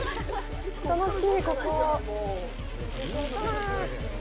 楽しい、ここ。